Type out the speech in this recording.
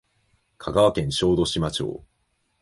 香川県小豆島町